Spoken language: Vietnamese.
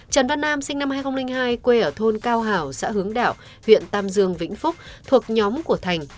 trần văn nam sinh năm hai nghìn hai quê ở thôn cao hảo xã hướng đạo huyện tam dương vĩnh phúc thuộc nhóm của thành